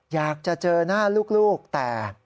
อยากจะเจอหน้าลูกแต่